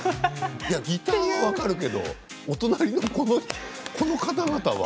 ギターは分かるけどお隣の手拍子の方々は。